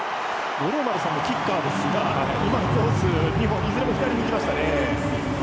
五郎丸さんもキッカーですが、今コース２本ともいずれも左にいきましたね。